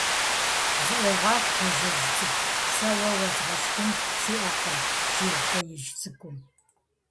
Зыӏуегъэх, Бажэжь цӏыкӏу, сэ уэ уэзгъэшхын сиӏэкъым, - жи Къуиижь Цӏыкӏум.